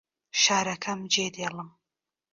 شارەکە جێدێڵم.